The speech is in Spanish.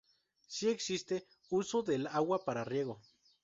Si existe uso del agua para riego.